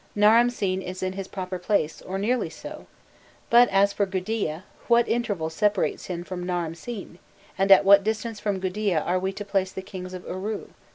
Naramsin is in his proper place, or nearly so; but as for Gudea, what interval separates him from Naramsin, and at what distance from Gudea are we to place the kings of Uru?